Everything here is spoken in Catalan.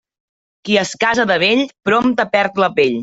Qui es casa de vell, prompte perd la pell.